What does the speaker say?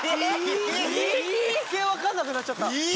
余計分かんなくなっちゃった。